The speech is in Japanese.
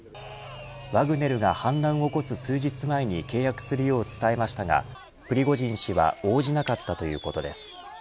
ワグネルが反乱を起こす数日前に契約するよう伝えましたがプリゴジン氏は応じなかったということです。